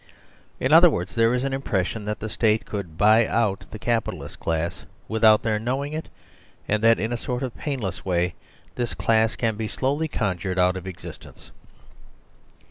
In other words, there is an impression that the State could " buy out " the Capitalist class without their knowing it, and that in a sort of painless way this class can be slowly conjured out of existence.